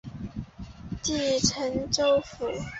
隶辰州府。